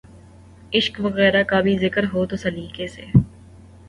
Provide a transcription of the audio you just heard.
عشق وغیرہ کا بھی ذکر ہو تو سلیقے سے۔